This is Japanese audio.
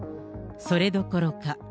それどころか。